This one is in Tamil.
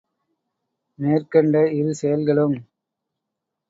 மேற்கண்ட இரு செயல்களும்.